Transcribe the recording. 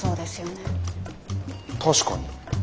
確かに。